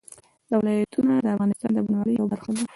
ولایتونه د افغانستان د بڼوالۍ یوه برخه ده.